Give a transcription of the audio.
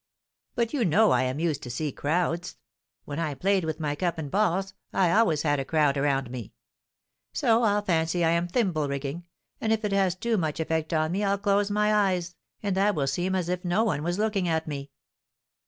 But you know I am used to see crowds. When I played with my cups and balls, I always had a crowd around me; so I'll fancy I am thimble rigging, and if it has too much effect on me I'll close my eyes, and that will seem as if no one was looking at me."